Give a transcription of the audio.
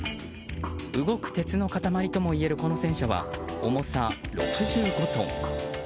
動く鉄の塊ともいえるこの戦車は重さ６５トン。